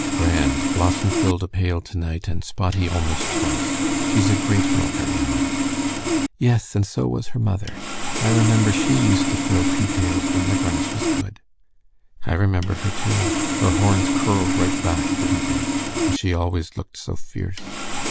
"Grand; Blossom filled a pail to night, and Spotty almost twice. She's a great milker, yon." "Yes, and so was her mother. I remember she used to fill two pails when the grass was good." "I remember her, too. Her horns curled right back, didn't they? And she always looked so fierce."